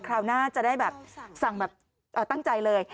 คราวหน้าจะได้สั่งตั้งใจเลย